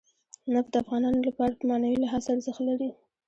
نفت د افغانانو لپاره په معنوي لحاظ ارزښت لري.